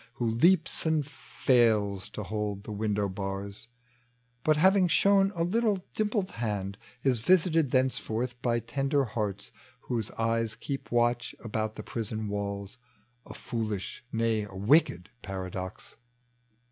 Who leaps and fails to hold the window baa's, But having shown a little dimpled band Is visited thenceforth by tender hearts Whose eyes keep watch about the prison walls. A foolish, nay, a wicked paradox